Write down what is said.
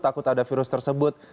takut ada virus tersebut